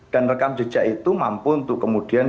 dan rekam jejak itu mampu untuk kemudian